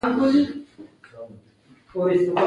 موټر د سرعت وسيله ده.